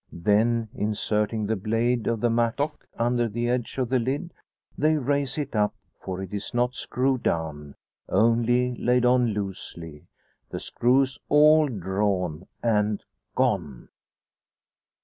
Then, inserting the blade of the mattock under the edge of the lid, they raise it up; for it is not screwed down, only laid on loosely the screws all drawn and gone!